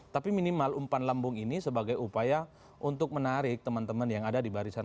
tapi minimal umpan lambung ini sebagai upaya untuk menarik teman teman yang ada di barisan